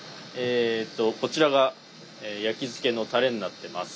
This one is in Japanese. こちらが焼き漬けのたれになってます。